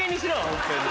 ホントに。